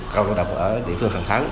giao đồng ở địa phương hàng tháng